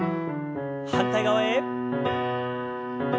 反対側へ。